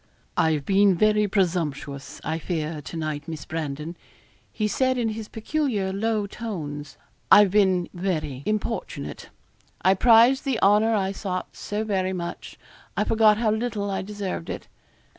'I've been very presumptuous, I fear, to night, Miss Brandon, he said, in his peculiar low tones. 'I've been very importunate I prized the honour I sought so very much, I forgot how little I deserved it.